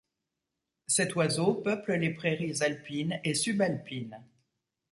Cet oiseau peuple les prairies alpines et subalpines.